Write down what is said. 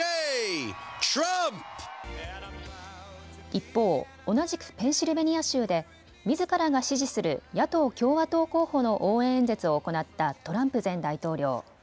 一方、同じくペンシルベニア州でみずからが支持する野党共和党候補の応援演説を行ったトランプ前大統領。